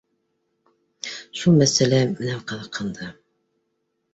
Шул мәсьәлә менән ҡыҙыҡһынды